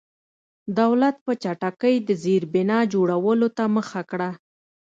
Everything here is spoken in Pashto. دولت په چټکۍ د زېربنا جوړولو ته مخه کړه.